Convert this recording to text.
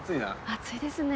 暑いですね。